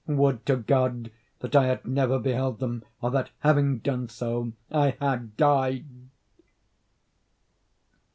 Would to God that I had never beheld them, or that, having done so, I had died!